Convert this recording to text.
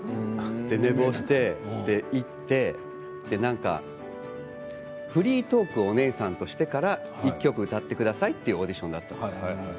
寝坊してしまって、それで行ってフリートークをおねえさんとしてから１曲歌ってくださいというオーディションだったんです。